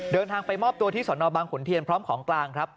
เดินทางไปมอบตัวที่สนบางขุนเทียนพร้อมของกลางครับ